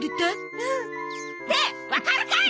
うん。ってわかるかい！